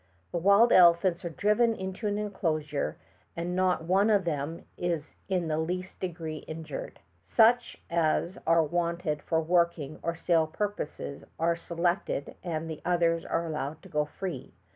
The wild elephants are driven into an enelosure and not one of them is in the least degree injured. Sueh as are wanted for working or sale purposes are seleeted and the others are allowed to go free.